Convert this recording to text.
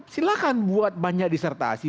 silahkan buat banyak disertasi